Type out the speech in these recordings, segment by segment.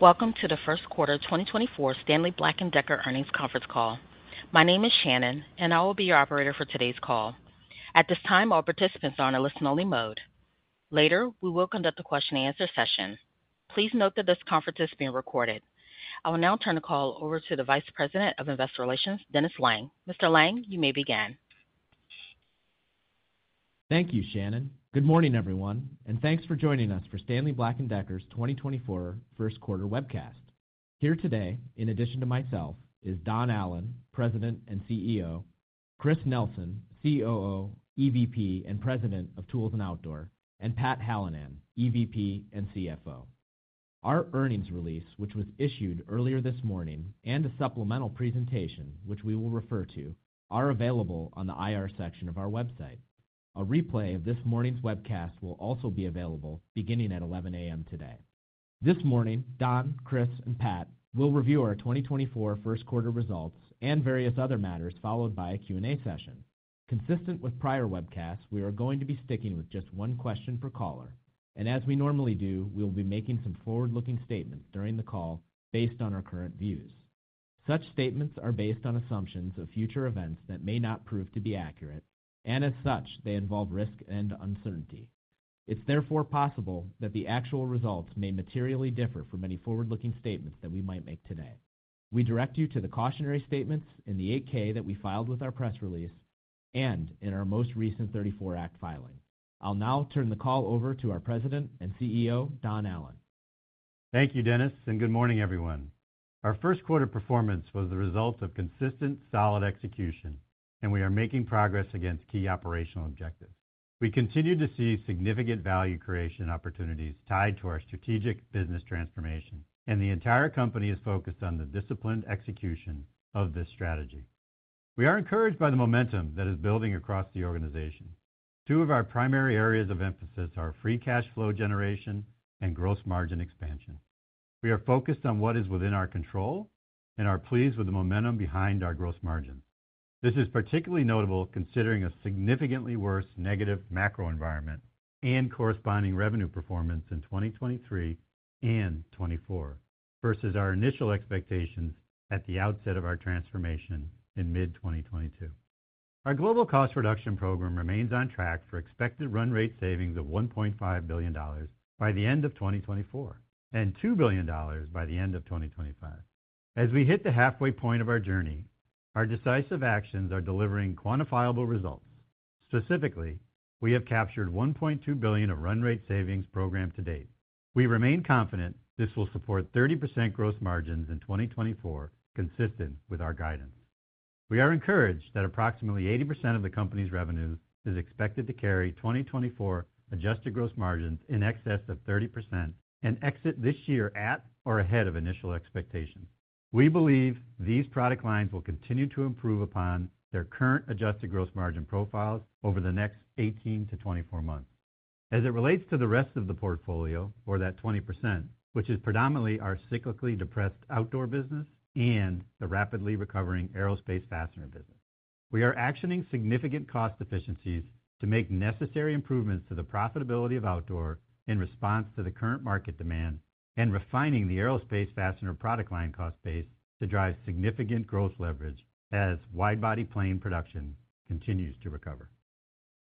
Welcome to the first quarter 2024 Stanley Black & Decker Earnings Conference Call. My name is Shannon, and I will be your operator for today's call. At this time, all participants are on a listen-only mode. Later, we will conduct a question-and-answer session. Please note that this conference is being recorded. I will now turn the call over to the Vice President of Investor Relations, Dennis Lange. Mr. Lang, you may begin. Thank you, Shannon. Good morning, everyone, and thanks for joining us for Stanley Black & Decker's 2024 first quarter webcast. Here today, in addition to myself, is Don Allan, President and CEO, Chris Nelson, COO, EVP, and President of Tools & Outdoor, and Pat Hallinan, EVP and CFO. Our earnings release, which was issued earlier this morning, and a supplemental presentation, which we will refer to, are available on the IR section of our website. A replay of this morning's webcast will also be available beginning at 11:00 A.M. today. This morning, Don, Chris, and Pat will review our 2024 first quarter results and various other matters followed by a Q&A session. Consistent with prior webcasts, we are going to be sticking with just one question per caller, and as we normally do, we will be making some forward-looking statements during the call based on our current views. Such statements are based on assumptions of future events that may not prove to be accurate, and as such, they involve risk and uncertainty. It's therefore possible that the actual results may materially differ from any forward-looking statements that we might make today. We direct you to the cautionary statements in the 8-K that we filed with our press release and in our most recent '34 Act filing. I'll now turn the call over to our President and CEO, Don Allan. Thank you, Dennis, and good morning, everyone. Our first quarter performance was the result of consistent, solid execution, and we are making progress against key operational objectives. We continue to see significant value creation opportunities tied to our strategic business transformation, and the entire company is focused on the disciplined execution of this strategy. We are encouraged by the momentum that is building across the organization. Two of our primary areas of emphasis are free cash flow generation and gross margin expansion. We are focused on what is within our control and are pleased with the momentum behind our gross margin. This is particularly notable considering a significantly worse negative macro environment and corresponding revenue performance in 2023 and 2024 versus our initial expectations at the outset of our transformation in mid-2022. Our global cost reduction program remains on track for expected run rate savings of $1.5 billion by the end of 2024 and $2 billion by the end of 2025. As we hit the halfway point of our journey, our decisive actions are delivering quantifiable results. Specifically, we have captured $1.2 billion of run rate savings program to date. We remain confident this will support 30% gross margins in 2024 consistent with our guidance. We are encouraged that approximately 80% of the company's revenue is expected to carry 2024 adjusted gross margins in excess of 30% and exit this year at or ahead of initial expectations. We believe these product lines will continue to improve upon their current adjusted gross margin profiles over the next 18-24 months. As it relates to the rest of the portfolio, or that 20%, which is predominantly our cyclically depressed outdoor business and the rapidly recovering aerospace fastener business, we are actioning significant cost efficiencies to make necessary improvements to the profitability of outdoor in response to the current market demand and refining the aerospace fastener product line cost base to drive significant growth leverage as wide-body plane production continues to recover.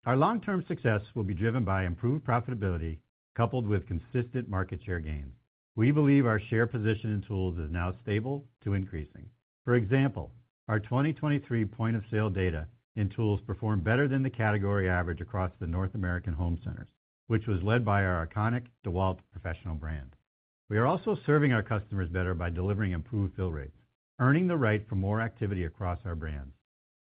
Our long-term success will be driven by improved profitability coupled with consistent market share gains. We believe our share position in Tools is now stable to increasing. For example, our 2023 point-of-sale data in Tools performed better than the category average across the North American home centers, which was led by our iconic DEWALT professional brand. We are also serving our customers better by delivering improved fill rates, earning the right for more activity across our brands.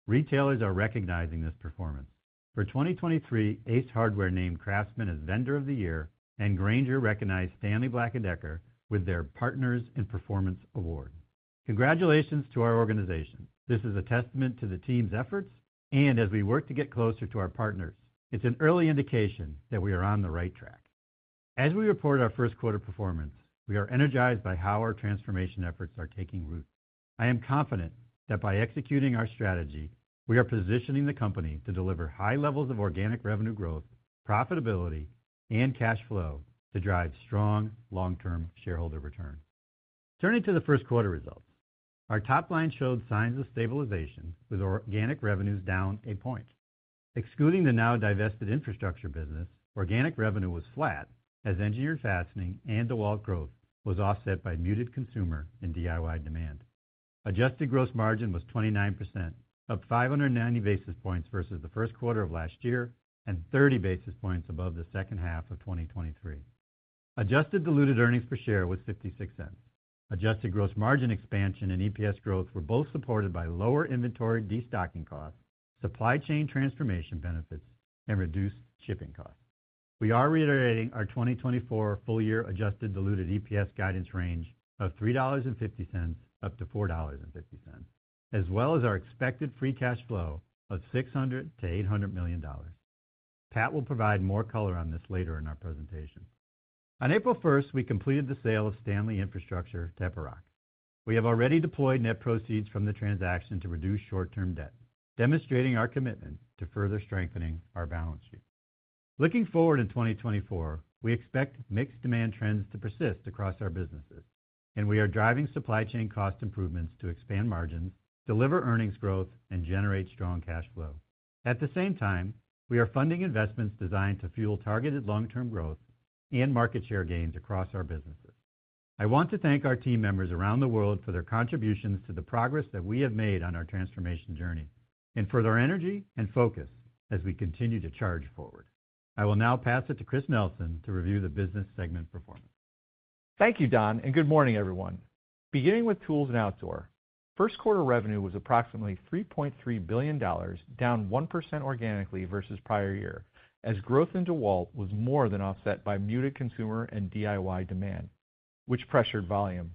Retailers are recognizing this performance. For 2023, Ace Hardware named Craftsman as Vendor of the Year, and Grainger recognized Stanley Black & Decker with their Partners in Performance Award. Congratulations to our organization. This is a testament to the team's efforts, and as we work to get closer to our partners, it's an early indication that we are on the right track. As we report our first quarter performance, we are energized by how our transformation efforts are taking root. I am confident that by executing our strategy, we are positioning the company to deliver high levels of organic revenue growth, profitability, and cash flow to drive strong long-term shareholder returns. Turning to the first quarter results, our top line showed signs of stabilization with organic revenues down a point. Excluding the now divested infrastructure business, organic revenue was flat as engineered fastening and DEWALT growth was offset by muted consumer and DIY demand. Adjusted gross margin was 29%, up 590 basis points versus the first quarter of last year and 30 basis points above the second half of 2023. Adjusted diluted earnings per share was $0.56. Adjusted gross margin expansion and EPS growth were both supported by lower inventory destocking costs, supply chain transformation benefits, and reduced shipping costs. We are reiterating our 2024 full-year adjusted diluted EPS guidance range of $3.50-$4.50, as well as our expected free cash flow of $600 million-$800 million. Pat will provide more color on this later in our presentation. On April 1st, we completed the sale of Stanley Infrastructure to Epiroc. We have already deployed net proceeds from the transaction to reduce short-term debt, demonstrating our commitment to further strengthening our balance sheet. Looking forward in 2024, we expect mixed demand trends to persist across our businesses, and we are driving supply chain cost improvements to expand margins, deliver earnings growth, and generate strong cash flow. At the same time, we are funding investments designed to fuel targeted long-term growth and market share gains across our businesses. I want to thank our team members around the world for their contributions to the progress that we have made on our transformation journey and for their energy and focus as we continue to charge forward. I will now pass it to Chris Nelson to review the business segment performance. Thank you, Don, and good morning, everyone. Beginning with Tools & Outdoor, first quarter revenue was approximately $3.3 billion, down 1% organically versus prior year as growth in DEWALT was more than offset by muted consumer and DIY demand, which pressured volume.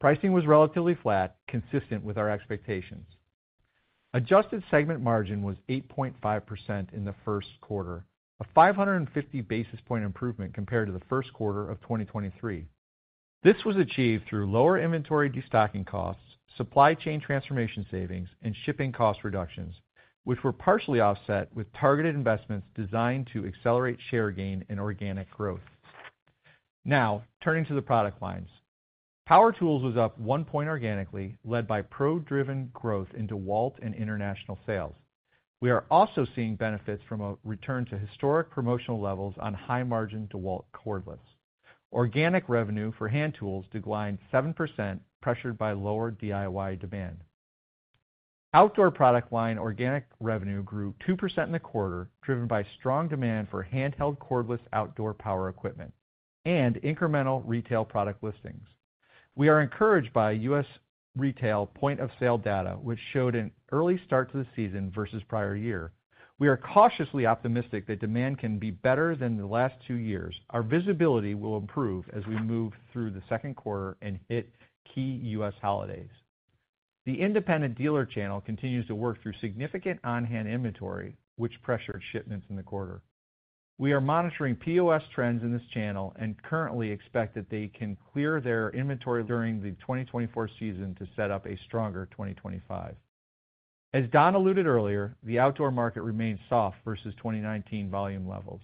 Pricing was relatively flat, consistent with our expectations. Adjusted segment margin was 8.5% in the first quarter, a 550 basis points improvement compared to the first quarter of 2023. This was achieved through lower inventory destocking costs, supply chain transformation savings, and shipping cost reductions, which were partially offset with targeted investments designed to accelerate share gain and organic growth. Now, turning to the product lines, Power Tools was up 1% organically led by pro-driven growth in DEWALT and international sales. We are also seeing benefits from a return to historic promotional levels on high-margin DEWALT cordless. Organic revenue for hand tools declined 7% pressured by lower DIY demand. Outdoor product line organic revenue grew 2% in the quarter driven by strong demand for handheld cordless outdoor power equipment and incremental retail product listings. We are encouraged by U.S. retail point-of-sale data, which showed an early start to the season versus prior year. We are cautiously optimistic that demand can be better than the last two years. Our visibility will improve as we move through the second quarter and hit key U.S. holidays. The independent dealer channel continues to work through significant on-hand inventory, which pressured shipments in the quarter. We are monitoring POS trends in this channel and currently expect that they can clear their inventory during the 2024 season to set up a stronger 2025. As Don alluded earlier, the outdoor market remains soft versus 2019 volume levels.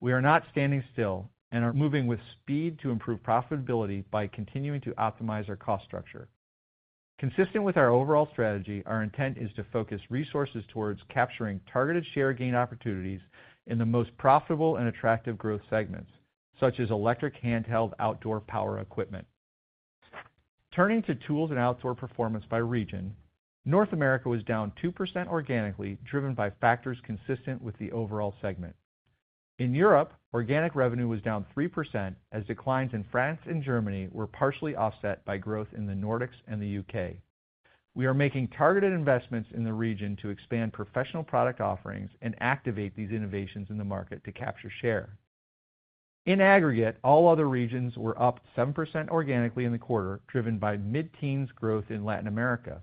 We are not standing still and are moving with speed to improve profitability by continuing to optimize our cost structure. Consistent with our overall strategy, our intent is to focus resources towards capturing targeted share gain opportunities in the most profitable and attractive growth segments, such as electric handheld outdoor power equipment. Turning to Tools & Outdoor performance by region, North America was down 2% organically driven by factors consistent with the overall segment. In Europe, organic revenue was down 3% as declines in France and Germany were partially offset by growth in the Nordics and the U.K. We are making targeted investments in the region to expand professional product offerings and activate these innovations in the market to capture share. In aggregate, all other regions were up 7% organically in the quarter driven by mid-teens growth in Latin America.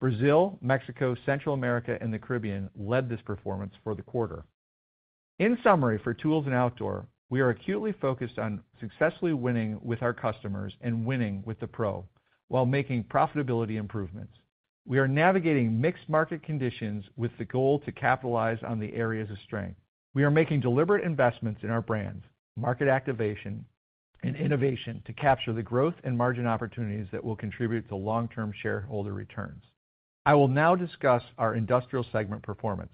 Brazil, Mexico, Central America, and the Caribbean led this performance for the quarter. In summary, for Tools & Outdoor, we are acutely focused on successfully winning with our customers and winning with the pro while making profitability improvements. We are navigating mixed market conditions with the goal to capitalize on the areas of strength. We are making deliberate investments in our brands, market activation, and innovation to capture the growth and margin opportunities that will contribute to long-term shareholder returns. I will now discuss our industrial segment performance.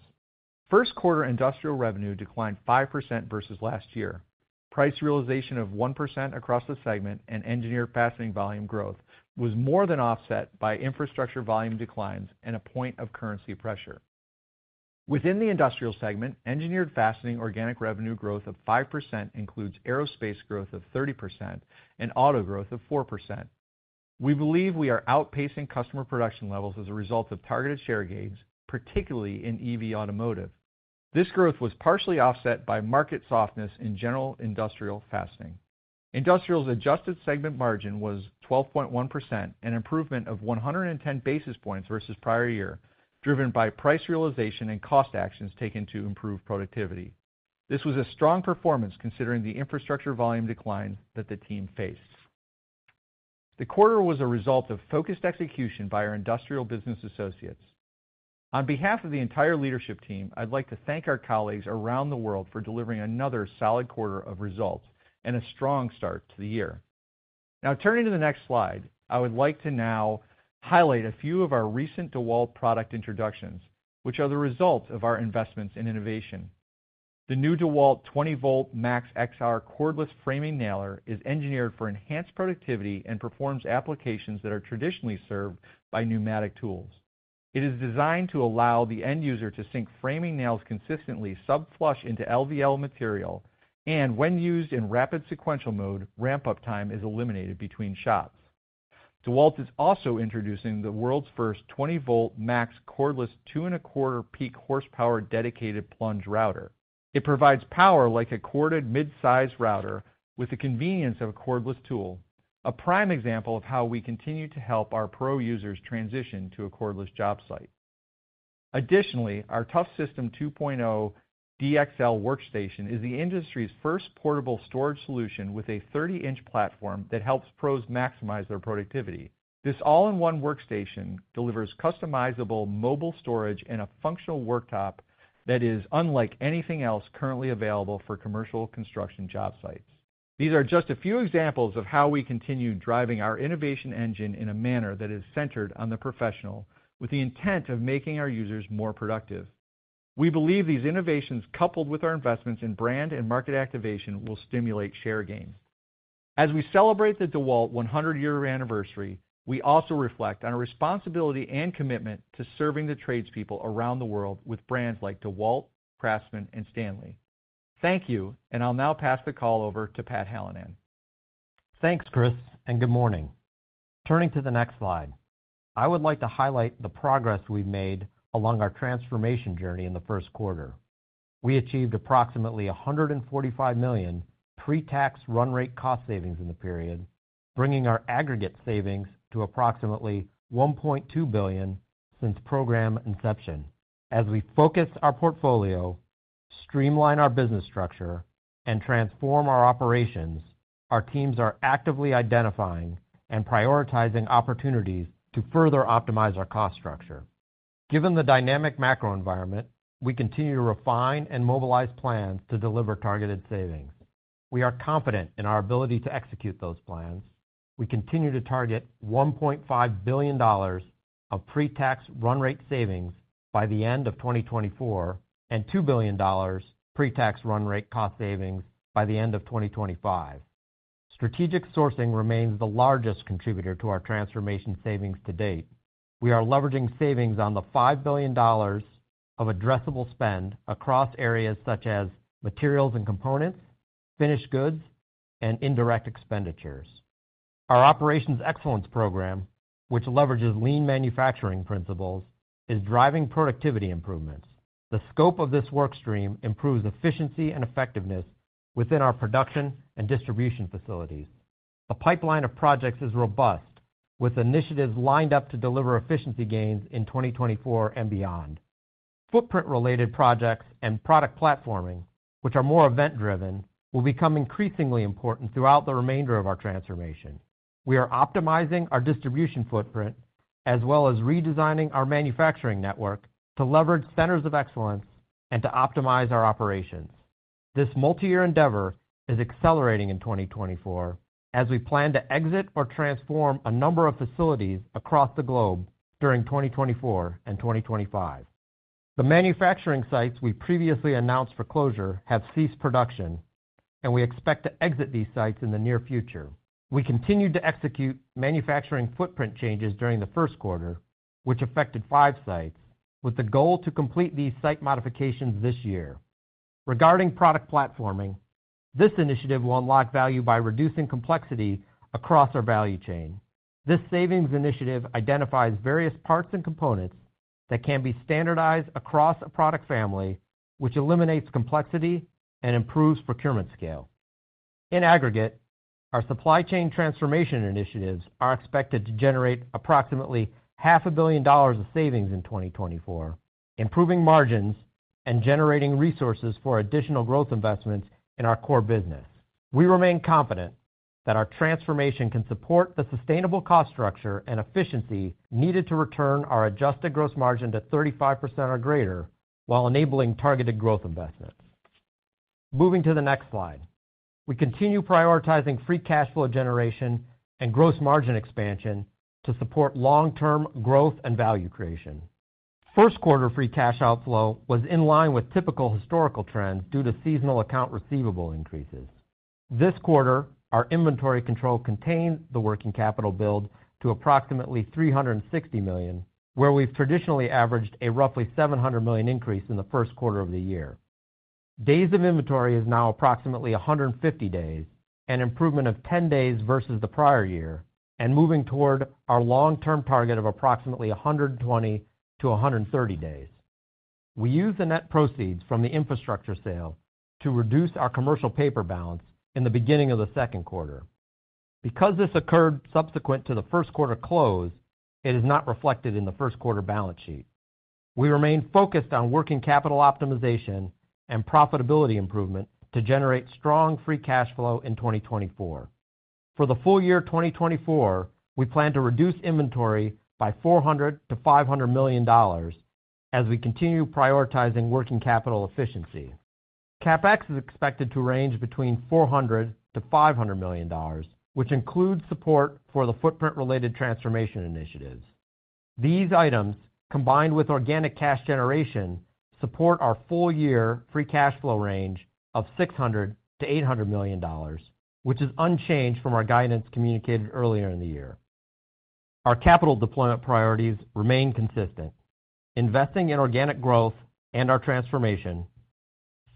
First quarter industrial revenue declined 5% versus last year. Price realization of 1% across the segment and engineered fastening volume growth was more than offset by infrastructure volume declines and a point of currency pressure. Within the industrial segment, engineered fastening organic revenue growth of 5% includes aerospace growth of 30% and auto growth of 4%. We believe we are outpacing customer production levels as a result of targeted share gains, particularly in EV automotive. This growth was partially offset by market softness in general industrial fastening. Industrial's adjusted segment margin was 12.1%, an improvement of 110 basis points versus prior year driven by price realization and cost actions taken to improve productivity. This was a strong performance considering the infrastructure volume declines that the team faced. The quarter was a result of focused execution by our industrial business associates. On behalf of the entire leadership team, I'd like to thank our colleagues around the world for delivering another solid quarter of results and a strong start to the year. Now, turning to the next slide, I would like to now highlight a few of our recent DEWALT product introductions, which are the results of our investments in innovation. The new DEWALT 20V MAX XR cordless framing nailer is engineered for enhanced productivity and performs applications that are traditionally served by pneumatic tools. It is designed to allow the end user to sink framing nails consistently sub-flush into LVL material, and when used in rapid sequential mode, ramp-up time is eliminated between shots. DEWALT is also introducing the world's first 20V MAX cordless 2.25 peak horsepower dedicated plunge router. It provides power like a corded midsize router with the convenience of a cordless tool, a prime example of how we continue to help our pro users transition to a cordless job site. Additionally, our TOUGHSYSTEM 2.0 DXL workstation is the industry's first portable storage solution with a 30-inch platform that helps pros maximize their productivity. This all-in-one workstation delivers customizable mobile storage and a functional worktop that is unlike anything else currently available for commercial construction job sites. These are just a few examples of how we continue driving our innovation engine in a manner that is centered on the professional with the intent of making our users more productive. We believe these innovations coupled with our investments in brand and market activation will stimulate share gains. As we celebrate the DEWALT 100-year anniversary, we also reflect on a responsibility and commitment to serving the tradespeople around the world with brands like DEWALT, CRAFTSMAN, and STANLEY. Thank you, and I'll now pass the call over to Pat Hallinan. Thanks, Chris, and good morning. Turning to the next slide, I would like to highlight the progress we've made along our transformation journey in the first quarter. We achieved approximately $145 million pre-tax run-rate cost savings in the period, bringing our aggregate savings to approximately $1.2 billion since program inception. As we focus our portfolio, streamline our business structure, and transform our operations, our teams are actively identifying and prioritizing opportunities to further optimize our cost structure. Given the dynamic macro environment, we continue to refine and mobilize plans to deliver targeted savings. We are confident in our ability to execute those plans. We continue to target $1.5 billion of pre-tax run-rate savings by the end of 2024 and $2 billion pre-tax run-rate cost savings by the end of 2025. Strategic sourcing remains the largest contributor to our transformation savings to date. We are leveraging savings on the $5 billion of addressable spend across areas such as materials and components, finished goods, and indirect expenditures. Our Operations Excellence Program, which leverages lean manufacturing principles, is driving productivity improvements. The scope of this workstream improves efficiency and effectiveness within our production and distribution facilities. The pipeline of projects is robust, with initiatives lined up to deliver efficiency gains in 2024 and beyond. Footprint-related projects and product platforming, which are more event-driven, will become increasingly important throughout the remainder of our transformation. We are optimizing our distribution footprint as well as redesigning our manufacturing network to leverage centers of excellence and to optimize our operations. This multi-year endeavor is accelerating in 2024 as we plan to exit or transform a number of facilities across the globe during 2024 and 2025. The manufacturing sites we previously announced for closure have ceased production, and we expect to exit these sites in the near future. We continued to execute manufacturing footprint changes during the first quarter, which affected five sites, with the goal to complete these site modifications this year. Regarding product platforming, this initiative will unlock value by reducing complexity across our value chain. This savings initiative identifies various parts and components that can be standardized across a product family, which eliminates complexity and improves procurement scale. In aggregate, our supply chain transformation initiatives are expected to generate approximately $500 million of savings in 2024, improving margins and generating resources for additional growth investments in our core business. We remain confident that our transformation can support the sustainable cost structure and efficiency needed to return our adjusted gross margin to 35% or greater while enabling targeted growth investments. Moving to the next slide, we continue prioritizing free cash flow generation and gross margin expansion to support long-term growth and value creation. First quarter free cash outflow was in line with typical historical trends due to seasonal accounts receivable increases. This quarter, our inventory control contained the working capital build to approximately $360 million, where we've traditionally averaged a roughly $700 million increase in the first quarter of the year. Days of inventory is now approximately 150 days, an improvement of 10 days versus the prior year, and moving toward our long-term target of approximately 120-130 days. We use the net proceeds from the infrastructure sale to reduce our commercial paper balance in the beginning of the second quarter. Because this occurred subsequent to the first quarter close, it is not reflected in the first quarter balance sheet. We remain focused on working capital optimization and profitability improvement to generate strong free cash flow in 2024. For the full year 2024, we plan to reduce inventory by $400-$500 million as we continue prioritizing working capital efficiency. CapEx is expected to range between $400-$500 million, which includes support for the footprint-related transformation initiatives. These items, combined with organic cash generation, support our full-year free cash flow range of $600-$800 million, which is unchanged from our guidance communicated earlier in the year. Our capital deployment priorities remain consistent: investing in organic growth and our transformation,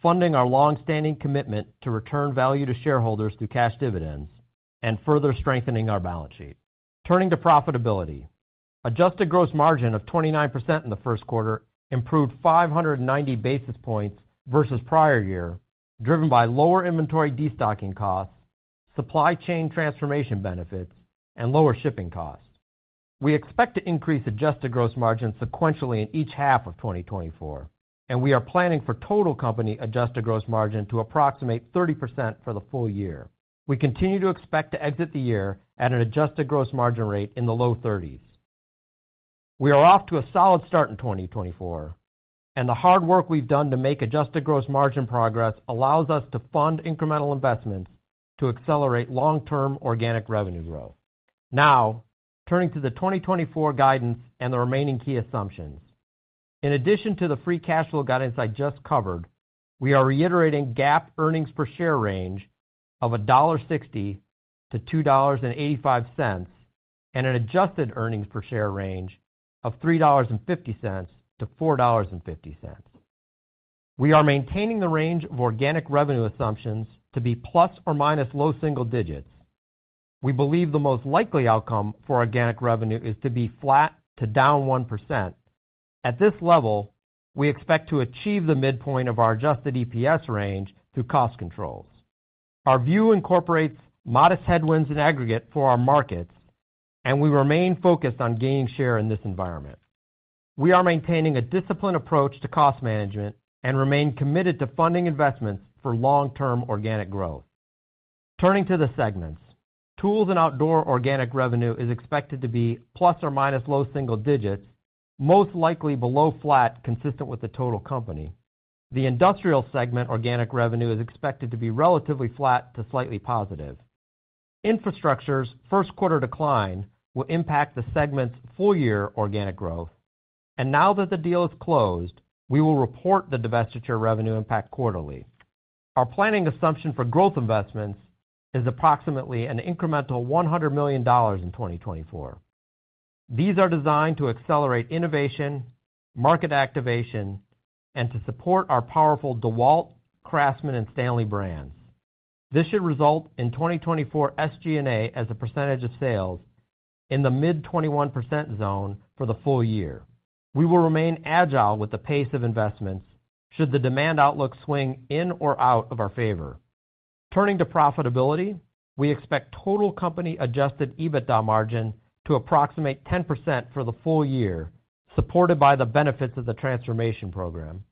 funding our longstanding commitment to return value to shareholders through cash dividends, and further strengthening our balance sheet. Turning to profitability, adjusted gross margin of 29% in the first quarter improved 590 basis points versus prior year driven by lower inventory destocking costs, supply chain transformation benefits, and lower shipping costs. We expect to increase adjusted gross margin sequentially in each half of 2024, and we are planning for total company adjusted gross margin to approximate 30% for the full year. We continue to expect to exit the year at an adjusted gross margin rate in the low 30s. We are off to a solid start in 2024, and the hard work we've done to make adjusted gross margin progress allows us to fund incremental investments to accelerate long-term organic revenue growth. Now, turning to the 2024 guidance and the remaining key assumptions. In addition to the free cash flow guidance I just covered, we are reiterating GAAP earnings per share range of $1.60-$2.85 and an adjusted earnings per share range of $3.50-$4.50. We are maintaining the range of organic revenue assumptions to be ± low single digits. We believe the most likely outcome for organic revenue is to be flat to -1%. At this level, we expect to achieve the midpoint of our adjusted EPS range through cost controls. Our view incorporates modest headwinds in aggregate for our markets, and we remain focused on gaining share in this environment. We are maintaining a disciplined approach to cost management and remain committed to funding investments for long-term organic growth. Turning to the segments, tools and outdoor organic revenue is expected to be ± low single digits, most likely below flat consistent with the total company. The industrial segment organic revenue is expected to be relatively flat to slightly positive. Infrastructure's first quarter decline will impact the segment's full-year organic growth, and now that the deal is closed, we will report the divestiture revenue impact quarterly. Our planning assumption for growth investments is approximately an incremental $100 million in 2024. These are designed to accelerate innovation, market activation, and to support our powerful DEWALT, CRAFTSMAN, and STANLEY brands. This should result in 2024 SG&A as a percentage of sales in the mid-21% zone for the full year. We will remain agile with the pace of investments should the demand outlook swing in or out of our favor. Turning to profitability, we expect total company adjusted EBITDA margin to approximate 10% for the full year, supported by the benefits of the transformation program.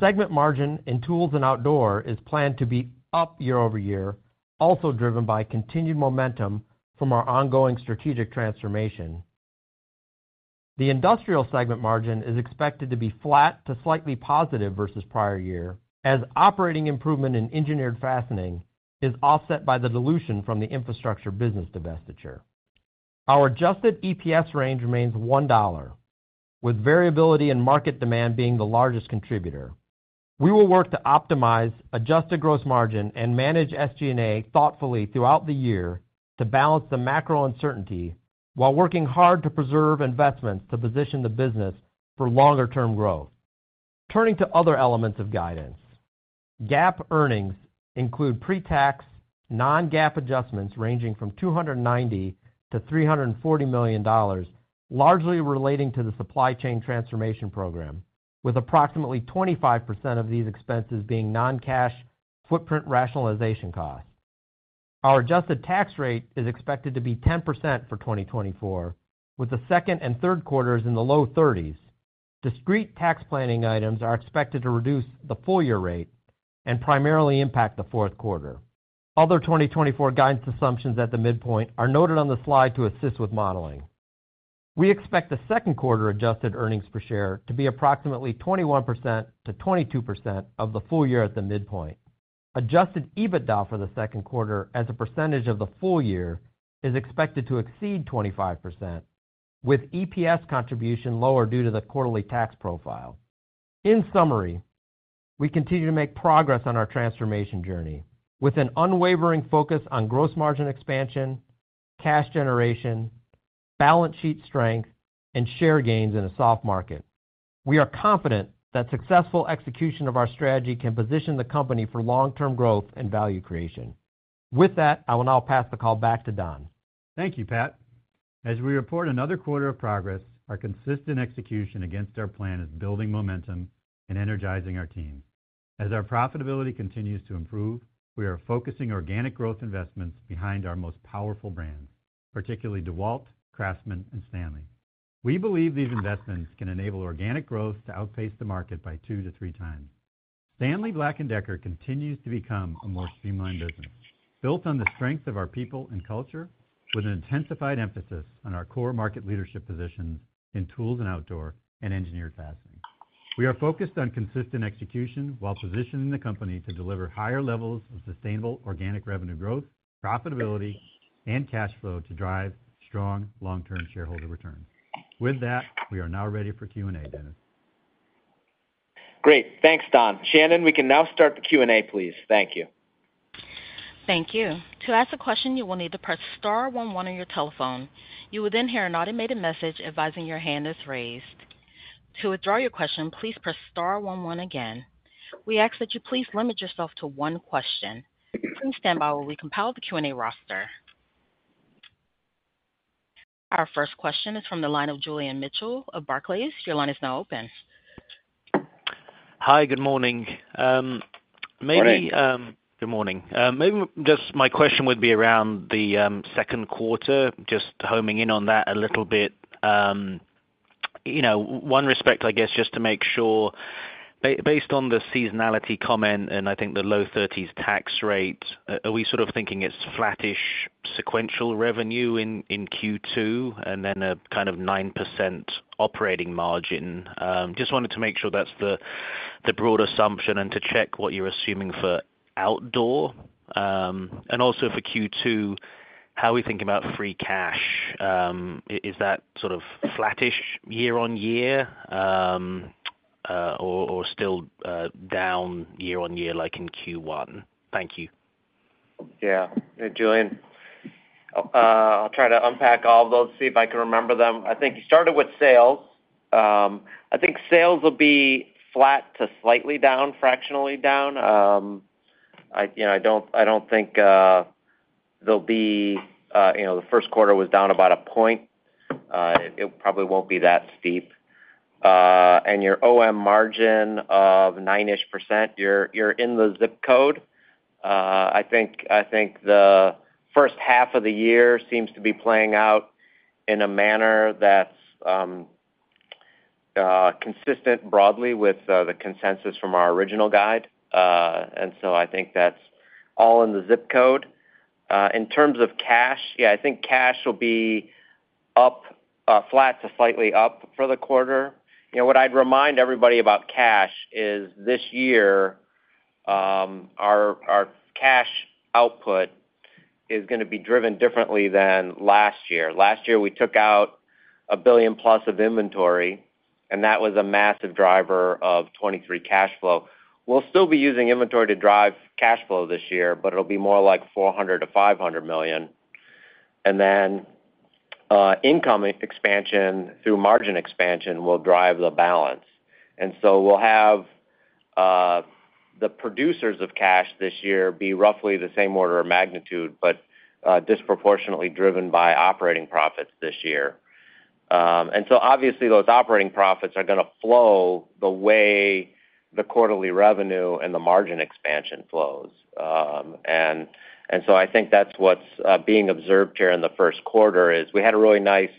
Segment margin in tools and outdoor is planned to be up year-over-year, also driven by continued momentum from our ongoing strategic transformation. The industrial segment margin is expected to be flat to slightly positive versus prior year as operating improvement in engineered fastening is offset by the dilution from the infrastructure business divestiture. Our adjusted EPS range remains $1, with variability and market demand being the largest contributor. We will work to optimize adjusted gross margin and manage SG&A thoughtfully throughout the year to balance the macro uncertainty while working hard to preserve investments to position the business for longer-term growth. Turning to other elements of guidance, GAAP earnings include pre-tax non-GAAP adjustments ranging from $290 million-$340 million, largely relating to the supply chain transformation program, with approximately 25% of these expenses being non-cash footprint rationalization costs. Our adjusted tax rate is expected to be 10% for 2024, with the second and third quarters in the low 30s. Discrete tax planning items are expected to reduce the full-year rate and primarily impact the fourth quarter. Other 2024 guidance assumptions at the midpoint are noted on the slide to assist with modeling. We expect the second quarter adjusted earnings per share to be approximately 21%-22% of the full year at the midpoint. Adjusted EBITDA for the second quarter as a percentage of the full year is expected to exceed 25%, with EPS contribution lower due to the quarterly tax profile. In summary, we continue to make progress on our transformation journey with an unwavering focus on gross margin expansion, cash generation, balance sheet strength, and share gains in a soft market. We are confident that successful execution of our strategy can position the company for long-term growth and value creation. With that, I will now pass the call back to Don. Thank you, Pat. As we report another quarter of progress, our consistent execution against our plan is building momentum and energizing our teams. As our profitability continues to improve, we are focusing organic growth investments behind our most powerful brands, particularly DEWALT, CRAFTSMAN, and STANLEY. We believe these investments can enable organic growth to outpace the market by 2-3 times. Stanley Black & Decker continues to become a more streamlined business, built on the strength of our people and culture, with an intensified emphasis on our core market leadership positions in tools and outdoor and engineered fastening. We are focused on consistent execution while positioning the company to deliver higher levels of sustainable organic revenue growth, profitability, and cash flow to drive strong long-term shareholder returns. With that, we are now ready for Q&A, Dennis. Great. Thanks, Don. Shannon, we can now start the Q&A, please. Thank you. Thank you. To ask a question, you will need to press star one one on your telephone. You will then hear an automated message advising your hand is raised. To withdraw your question, please press star one one again. We ask that you please limit yourself to one question. Please stand by while we compile the Q&A roster. Our first question is from the line of Julian Mitchell of Barclays. Your line is now open. Hi. Good morning. Maybe good morning. Maybe just my question would be around the second quarter, just homing in on that a little bit. In one respect, I guess, just to make sure, based on the seasonality comment and I think the low 30s tax rate, are we sort of thinking it's flattish sequential revenue in Q2 and then a kind of 9% operating margin? Just wanted to make sure that's the broad assumption and to check what you're assuming for outdoor. And also for Q2, how are we thinking about free cash? Is that sort of flattish year-on-year or still down year-on-year like in Q1? Thank you. Yeah. Julian, I'll try to unpack all of those, see if I can remember them. I think you started with sales. I think sales will be flat to slightly down, fractionally down. I don't think they'll be the first quarter was down about 1 point. It probably won't be that steep. And your OM margin of 9%-ish, you're in the zip code. I think the first half of the year seems to be playing out in a manner that's consistent broadly with the consensus from our original guide. And so I think that's all in the zip code. In terms of cash, yeah, I think cash will be flat to slightly up for the quarter. What I'd remind everybody about cash is this year, our cash output is going to be driven differently than last year. Last year, we took out $1 billion-plus of inventory, and that was a massive driver of 2023 cash flow. We'll still be using inventory to drive cash flow this year, but it'll be more like $400 million-$500 million. Then income expansion through margin expansion will drive the balance. So we'll have the producers of cash this year be roughly the same order of magnitude, but disproportionately driven by operating profits this year. So obviously, those operating profits are going to flow the way the quarterly revenue and the margin expansion flows. So I think that's what's being observed here in the first quarter is we had a really nice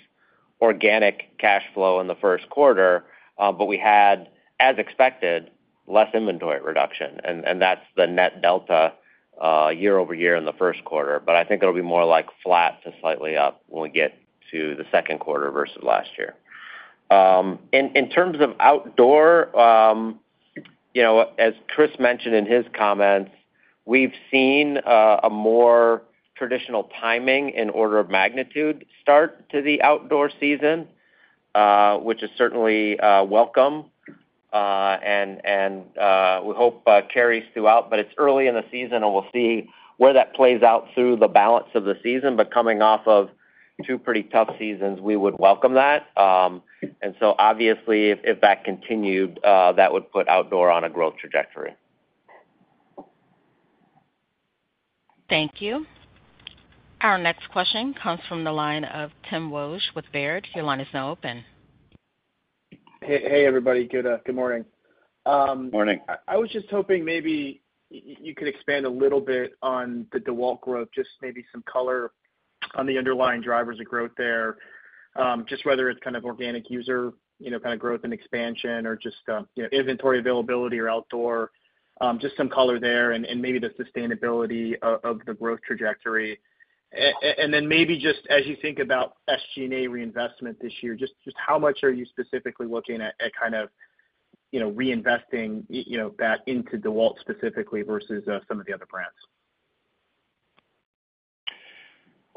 organic cash flow in the first quarter, but we had, as expected, less inventory reduction. And that's the net delta year-over-year in the first quarter. But I think it'll be more like flat to slightly up when we get to the second quarter versus last year. In terms of outdoor, as Chris mentioned in his comments, we've seen a more traditional timing in order of magnitude start to the outdoor season, which is certainly welcome. And we hope carries throughout, but it's early in the season, and we'll see where that plays out through the balance of the season. But coming off of two pretty tough seasons, we would welcome that. And so obviously, if that continued, that would put outdoor on a growth trajectory. Thank you. Our next question comes from the line of Tim Wojs with Baird. Your line is now open. Hey, everybody. Good morning. Good morning. I was just hoping maybe you could expand a little bit on the DEWALT growth, just maybe some color on the underlying drivers of growth there, just whether it's kind of organic user kind of growth and expansion or just inventory availability or outdoor, just some color there and maybe the sustainability of the growth trajectory. And then maybe just as you think about SG&A reinvestment this year, just how much are you specifically looking at kind of reinvesting that into DEWALT specifically versus some of the other brands?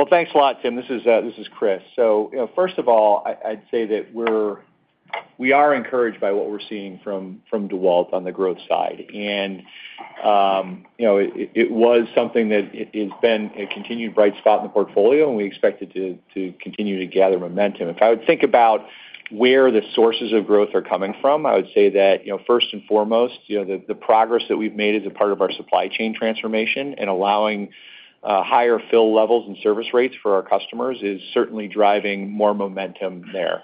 Well, thanks a lot, Tim. This is Chris. So first of all, I'd say that we are encouraged by what we're seeing from DEWALT on the growth side. And it was something that has been a continued bright spot in the portfolio, and we expect it to continue to gather momentum. If I would think about where the sources of growth are coming from, I would say that first and foremost, the progress that we've made as a part of our supply chain transformation and allowing higher fill levels and service rates for our customers is certainly driving more momentum there.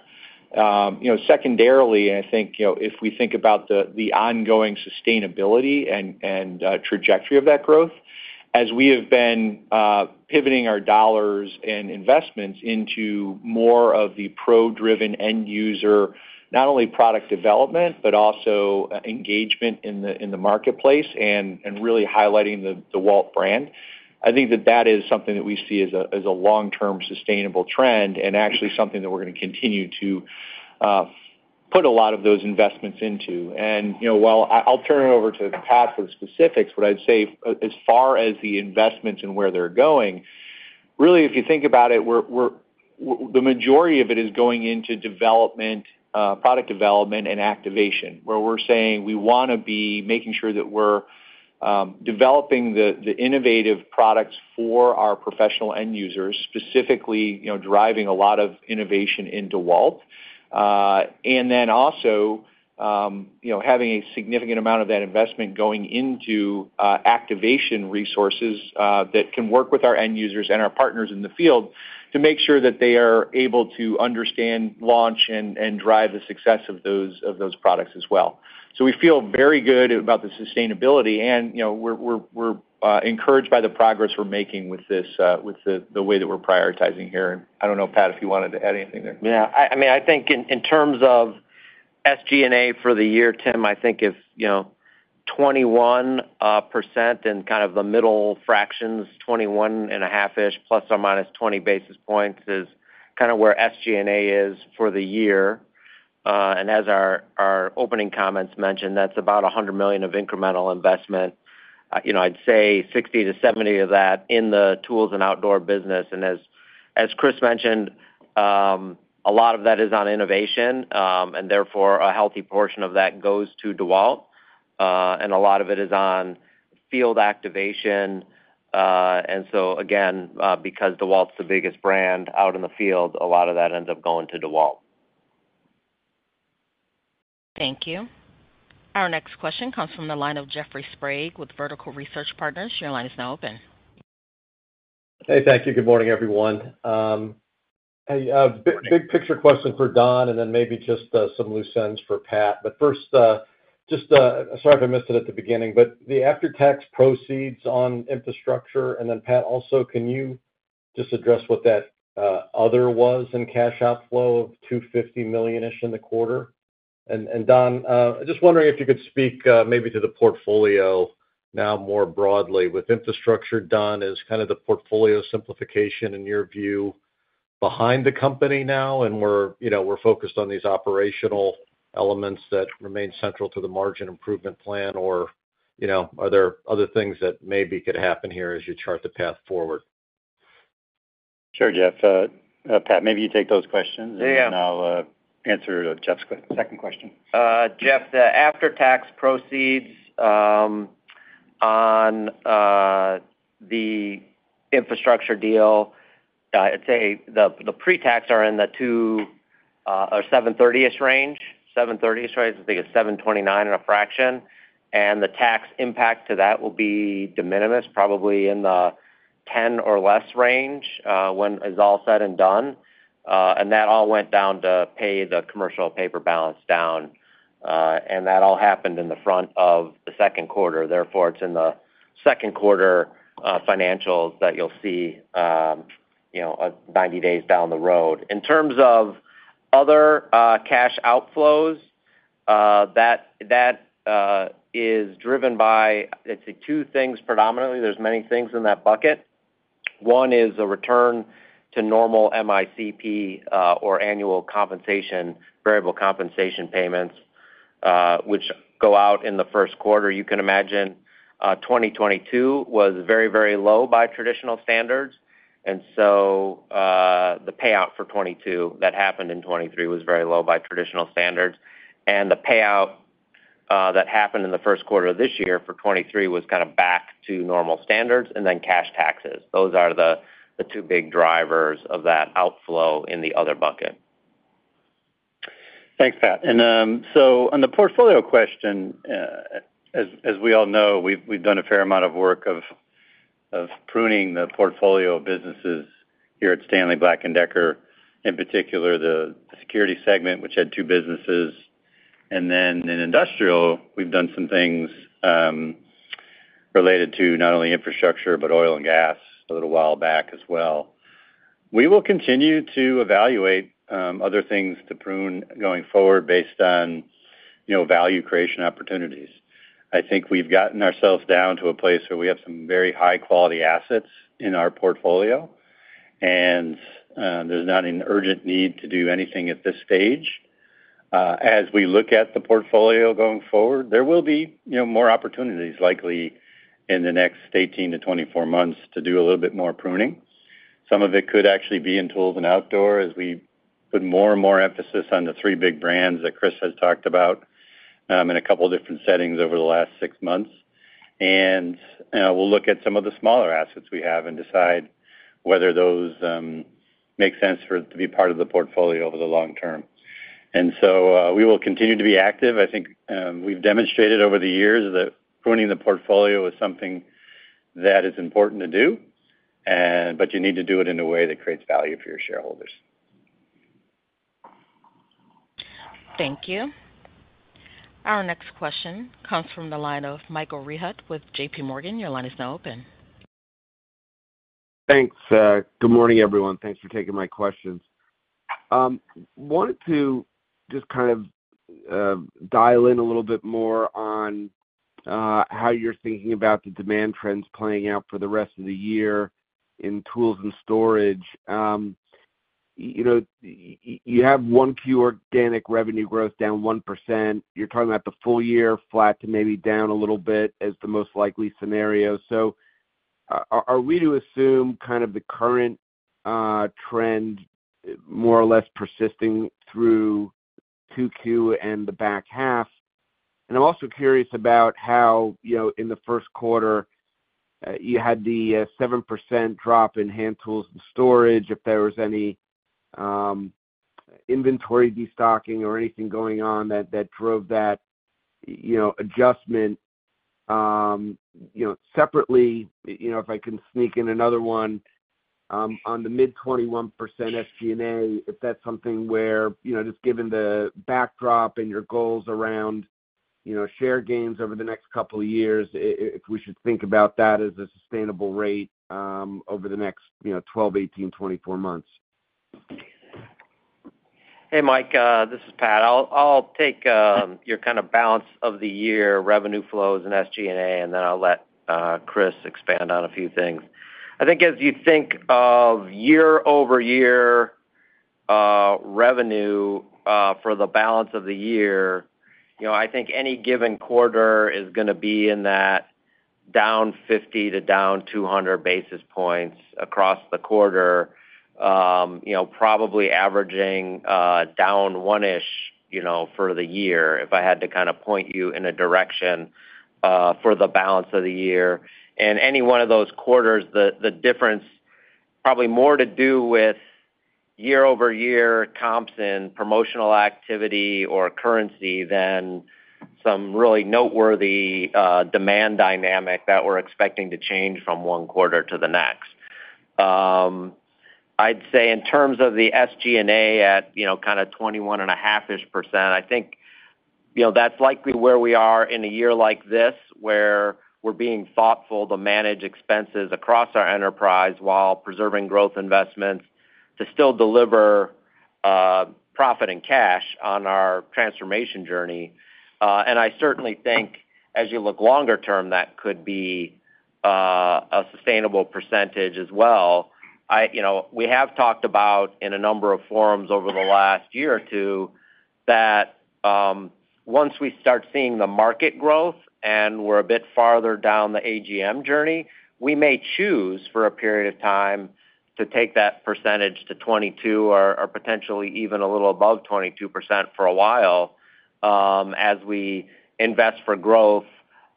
Secondarily, I think if we think about the ongoing sustainability and trajectory of that growth, as we have been pivoting our dollars and investments into more of the pro-driven end-user, not only product development, but also engagement in the marketplace and really highlighting the DEWALT brand, I think that that is something that we see as a long-term sustainable trend and actually something that we're going to continue to put a lot of those investments into. And while I'll turn it over to Pat for the specifics, what I'd say as far as the investments and where they're going, really, if you think about it, the majority of it is going into product development and activation, where we're saying we want to be making sure that we're developing the innovative products for our professional end-users, specifically driving a lot of innovation in DEWALT, and then also having a significant amount of that investment going into activation resources that can work with our end-users and our partners in the field to make sure that they are able to understand, launch, and drive the success of those products as well. So we feel very good about the sustainability, and we're encouraged by the progress we're making with the way that we're prioritizing here. And I don't know, Pat, if you wanted to add anything there. Yeah. I mean, I think in terms of SG&A for the year, Tim, I think if 21% and kind of the middle fractions, 21.5-ish, plus or minus 20 basis points is kind of where SG&A is for the year. And as our opening comments mentioned, that's about $100 million of incremental investment. I'd say $60 million-$70 million of that in the tools and outdoor business. And as Chris mentioned, a lot of that is on innovation, and therefore, a healthy portion of that goes to DEWALT. And a lot of it is on field activation. And so again, because DEWALT's the biggest brand out in the field, a lot of that ends up going to DEWALT. Thank you. Our next question comes from the line of Jeffrey Sprague with Vertical Research Partners. Your line is now open. Hey, thank you. Good morning, everyone. Big picture question for Don and then maybe just some loose ends for Pat. But first, just sorry if I missed it at the beginning, but the after-tax proceeds on infrastructure. And then Pat, also, can you just address what that other was in cash outflow of $250 million-ish in the quarter? And Don, just wondering if you could speak maybe to the portfolio now more broadly with infrastructure, Don, is kind of the portfolio simplification, in your view, behind the company now? And we're focused on these operational elements that remain central to the margin improvement plan, or are there other things that maybe could happen here as you chart the path forward? Sure, Jeff. Pat, maybe you take those questions, and I'll answer Jeff's second question. Jeff, the after-tax proceeds on the infrastructure deal, I'd say the pre-tax are in the $730-ish range. $730-ish range. I think it's $729 and a fraction. The tax impact to that will be de minimis, probably in the $10 or less range when it's all said and done. That all went down to pay the commercial paper balance down. That all happened in the front of the second quarter. Therefore, it's in the second quarter financials that you'll see 90 days down the road. In terms of other cash outflows, that is driven by, I'd say, two things predominantly. There's many things in that bucket. One is a return to normal MICP or annual variable compensation payments, which go out in the first quarter. You can imagine 2022 was very, very low by traditional standards. And so the payout for 2022 that happened in 2023 was very low by traditional standards. And the payout that happened in the first quarter of this year for 2023 was kind of back to normal standards and then cash taxes. Those are the two big drivers of that outflow in the other bucket. Thanks, Pat. And so on the portfolio question, as we all know, we've done a fair amount of work of pruning the portfolio of businesses here at Stanley Black & Decker, in particular, the security segment, which had two businesses. And then in industrial, we've done some things related to not only infrastructure but oil and gas a little while back as well. We will continue to evaluate other things to prune going forward based on value creation opportunities. I think we've gotten ourselves down to a place where we have some very high-quality assets in our portfolio, and there's not an urgent need to do anything at this stage. As we look at the portfolio going forward, there will be more opportunities, likely in the next 18-24 months, to do a little bit more pruning. Some of it could actually be in tools and outdoor as we put more and more emphasis on the three big brands that Chris has talked about in a couple of different settings over the last six months. And we'll look at some of the smaller assets we have and decide whether those make sense for it to be part of the portfolio over the long term. And so we will continue to be active. I think we've demonstrated over the years that pruning the portfolio is something that is important to do, but you need to do it in a way that creates value for your shareholders. Thank you. Our next question comes from the line of Michael Rehaut with JPMorgan. Your line is now open. Thanks. Good morning, everyone. Thanks for taking my questions. Wanted to just kind of dial in a little bit more on how you're thinking about the demand trends playing out for the rest of the year in tools and storage. You have 1Q organic revenue growth down 1%. You're talking about the full year flat to maybe down a little bit as the most likely scenario. So are we to assume kind of the current trend more or less persisting through 2Q and the back half? And I'm also curious about how in the first quarter, you had the 7% drop in hand tools and storage, if there was any inventory destocking or anything going on that drove that adjustment. Separately, if I can sneak in another one, on the mid-21% SG&A, if that's something where just given the backdrop and your goals around share gains over the next couple of years, if we should think about that as a sustainable rate over the next 12, 18, 24 months? Hey, Mike. This is Pat. I'll take your kind of balance of the year revenue flows and SG&A, and then I'll let Chris expand on a few things. I think as you think of year-over-year revenue for the balance of the year, I think any given quarter is going to be in that down 50-down 200 basis points across the quarter, probably averaging down 1-ish for the year if I had to kind of point you in a direction for the balance of the year. And any one of those quarters, the difference probably more to do with year-over-year comps and promotional activity or currency than some really noteworthy demand dynamic that we're expecting to change from one quarter to the next. I'd say in terms of the SG&A at kind of 21.5%-ish, I think that's likely where we are in a year like this where we're being thoughtful to manage expenses across our enterprise while preserving growth investments to still deliver profit and cash on our transformation journey. And I certainly think as you look longer term, that could be a sustainable percentage as well. We have talked about in a number of forums over the last year or two that once we start seeing the market growth and we're a bit farther down the AGM journey, we may choose for a period of time to take that percentage to 22% or potentially even a little above 22% for a while as we invest for growth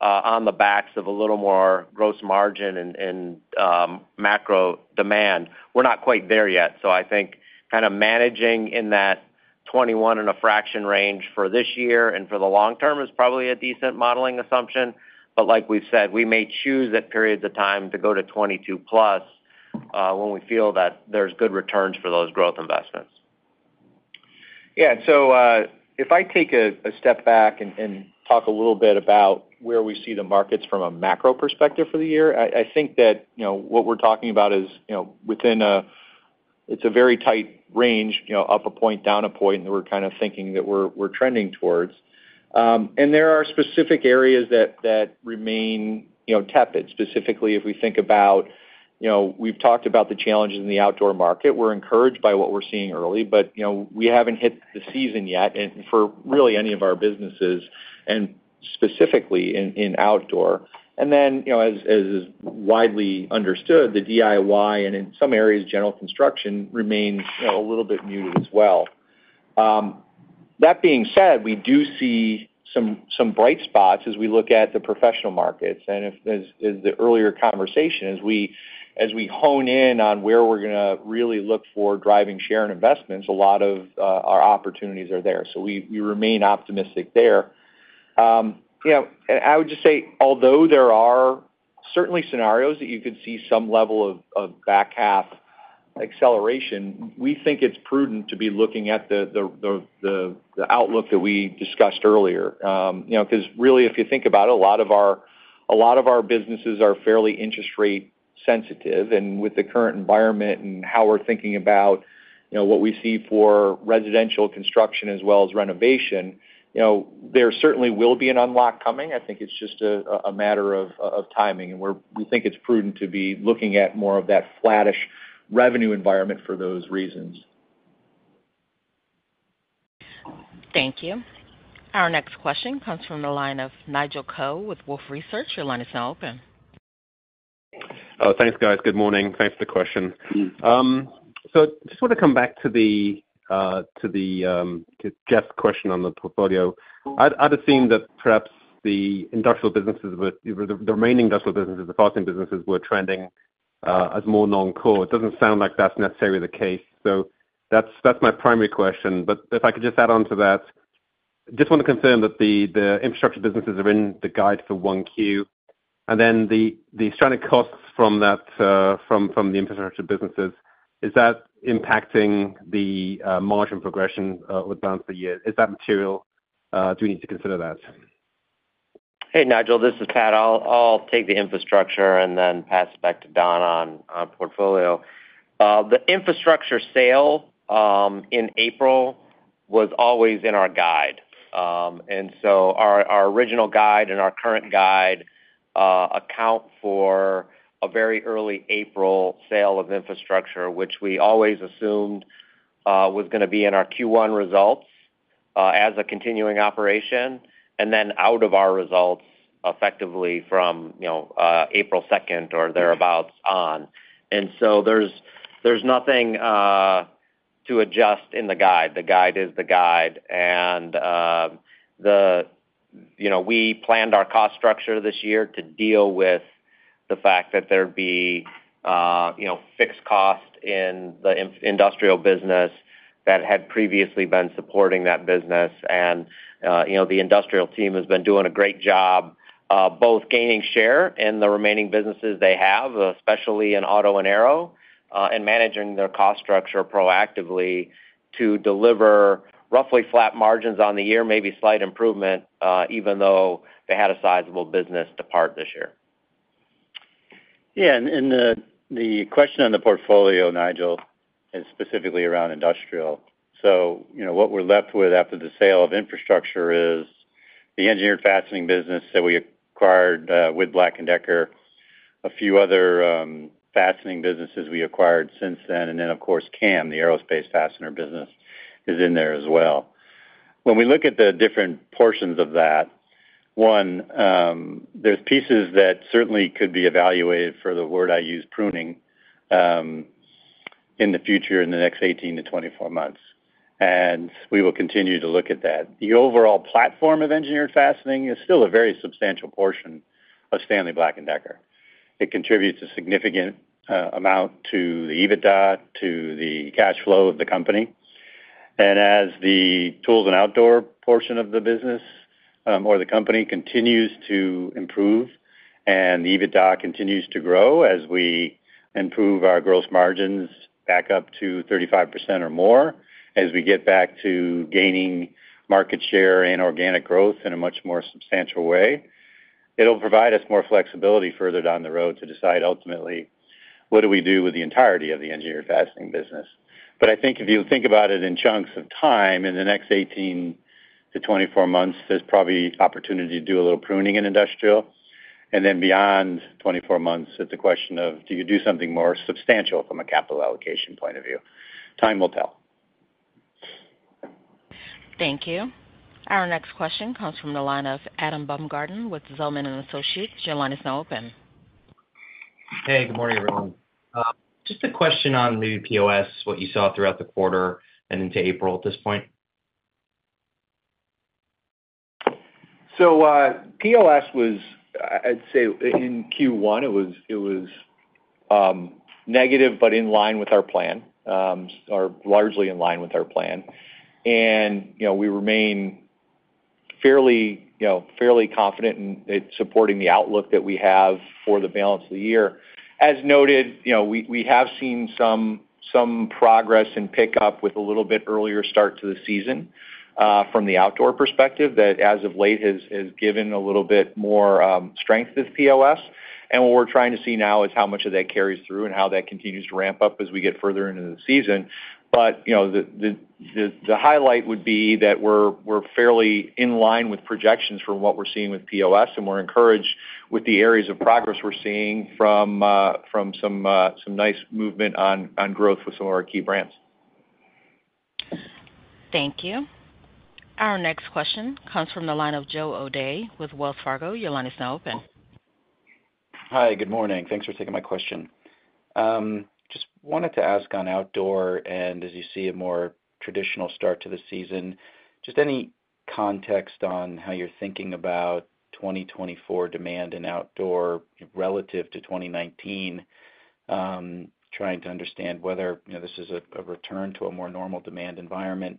on the backs of a little more gross margin and macro demand. We're not quite there yet. So I think kind of managing in that 21 and a fraction range for this year and for the long term is probably a decent modeling assumption. But like we've said, we may choose at periods of time to go to 22+ when we feel that there's good returns for those growth investments. Yeah. And so if I take a step back and talk a little bit about where we see the markets from a macro perspective for the year, I think that what we're talking about is within, it's a very tight range, up a point, down a point, that we're kind of thinking that we're trending towards. And there are specific areas that remain tepid, specifically if we think about, we've talked about the challenges in the outdoor market. We're encouraged by what we're seeing early, but we haven't hit the season yet for really any of our businesses, and specifically in outdoor. And then as is widely understood, the DIY and in some areas, general construction remains a little bit muted as well. That being said, we do see some bright spots as we look at the professional markets. And as the earlier conversation, as we hone in on where we're going to really look for driving share and investments, a lot of our opportunities are there. So we remain optimistic there. And I would just say, although there are certainly scenarios that you could see some level of back half acceleration, we think it's prudent to be looking at the outlook that we discussed earlier. Because really, if you think about it, a lot of our a lot of our businesses are fairly interest rate sensitive. And with the current environment and how we're thinking about what we see for residential construction as well as renovation, there certainly will be an unlock coming. I think it's just a matter of timing. And we think it's prudent to be looking at more of that flat-ish revenue environment for those reasons. Thank you. Our next question comes from the line of Nigel Coe with Wolfe Research. Your line is now open. Oh, thanks, guys. Good morning. Thanks for the question. So I just want to come back to Jeff's question on the portfolio. I'd assume that perhaps the industrial businesses, the remaining industrial businesses, the fastener businesses, were trending as more non-core. It doesn't sound like that's necessarily the case. So that's my primary question. But if I could just add on to that, I just want to confirm that the infrastructure businesses are in the guide for 1Q. And then the amortization costs from the infrastructure businesses, is that impacting the margin progression over the balance of the year? Is that material? Do we need to consider that? Hey, Nigel. This is Pat. I'll take the infrastructure and then pass it back to Don on portfolio. The infrastructure sale in April was always in our guide. And so our original guide and our current guide account for a very early April sale of infrastructure, which we always assumed was going to be in our Q1 results as a continuing operation and then out of our results effectively from April 2nd or thereabouts on. And so there's nothing to adjust in the guide. The guide is the guide. And we planned our cost structure this year to deal with the fact that there'd be fixed cost in the industrial business that had previously been supporting that business. The industrial team has been doing a great job both gaining share in the remaining businesses they have, especially in auto and aero, and managing their cost structure proactively to deliver roughly flat margins on the year, maybe slight improvement, even though they had a sizable business depart this year. Yeah. And the question on the portfolio, Nigel, is specifically around industrial. So what we're left with after the sale of infrastructure is the engineered fastening business that we acquired with Black & Decker, a few other fastening businesses we acquired since then, and then, of course, CAM, the aerospace fastener business, is in there as well. When we look at the different portions of that, one, there's pieces that certainly could be evaluated for the word I use, pruning, in the future in the next 18-24 months. And we will continue to look at that. The overall platform of engineered fastening is still a very substantial portion of Stanley Black & Decker. It contributes a significant amount to the EBITDA, to the cash flow of the company. As the tools and outdoor portion of the business or the company continues to improve and the EBITDA continues to grow as we improve our gross margins back up to 35% or more, as we get back to gaining market share and organic growth in a much more substantial way, it'll provide us more flexibility further down the road to decide ultimately, what do we do with the entirety of the engineered fastening business? But I think if you think about it in chunks of time, in the next 18-24 months, there's probably opportunity to do a little pruning in industrial. And then beyond 24 months, it's a question of, do you do something more substantial from a capital allocation point of view? Time will tell. Thank you. Our next question comes from the line of Adam Baumgarten with Zelman & Associates. Your line is now open. Hey. Good morning, everyone. Just a question on maybe POS, what you saw throughout the quarter and into April at this point? So POS was, I'd say, in Q1, it was negative but in line with our plan, or largely in line with our plan. And we remain fairly confident in supporting the outlook that we have for the balance of the year. As noted, we have seen some progress and pickup with a little bit earlier start to the season from the outdoor perspective that as of late has given a little bit more strength to the POS. And what we're trying to see now is how much of that carries through and how that continues to ramp up as we get further into the season. But the highlight would be that we're fairly in line with projections for what we're seeing with POS, and we're encouraged with the areas of progress we're seeing from some nice movement on growth with some of our key brands. Thank you. Our next question comes from the line of Joe O'Dea with Wells Fargo. Your line is now open. Hi. Good morning. Thanks for taking my question. Just wanted to ask on outdoor and as you see a more traditional start to the season, just any context on how you're thinking about 2024 demand in outdoor relative to 2019, trying to understand whether this is a return to a more normal demand environment,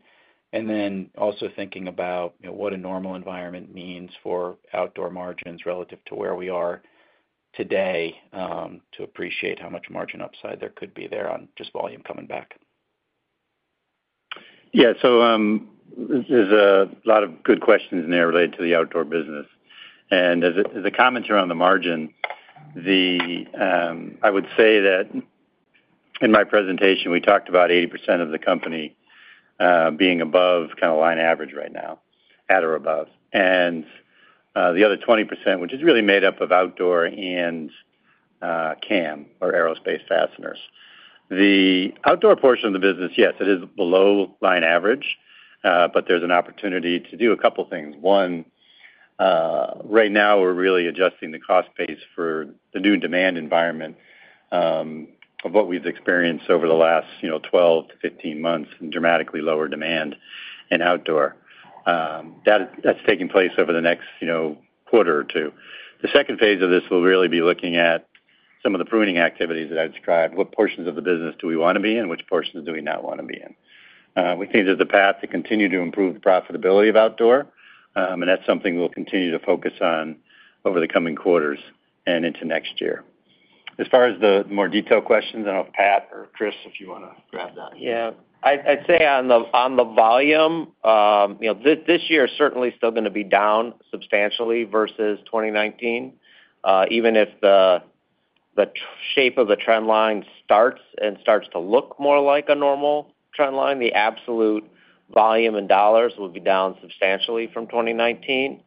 and then also thinking about what a normal environment means for outdoor margins relative to where we are today to appreciate how much margin upside there could be there on just volume coming back? Yeah. So there's a lot of good questions in there related to the outdoor business. And as a comment around the margin, I would say that in my presentation, we talked about 80% of the company being above kind of line average right now at or above. And the other 20%, which is really made up of outdoor and CAM or aerospace fasteners, the outdoor portion of the business, yes, it is below line average, but there's an opportunity to do a couple of things. One, right now, we're really adjusting the cost base for the new demand environment of what we've experienced over the last 12-15 months in dramatically lower demand in outdoor. That's taking place over the next quarter or two. The second phase of this will really be looking at some of the pruning activities that I described, what portions of the business do we want to be in, and which portions do we not want to be in. We think there's a path to continue to improve the profitability of outdoor, and that's something we'll continue to focus on over the coming quarters and into next year. As far as the more detailed questions, I don't know if Pat or Chris, if you want to grab that. Yeah. I'd say on the volume, this year is certainly still going to be down substantially versus 2019. Even if the shape of the trend line starts to look more like a normal trend line, the absolute volume in dollars will be down substantially from 2019.